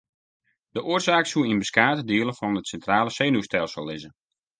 De oarsaak soe yn beskate dielen fan it sintrale senuwstelsel lizze.